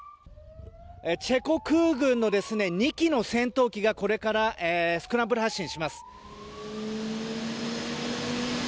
チェコ空軍の２機の戦闘機がこれからスクランブル発進します。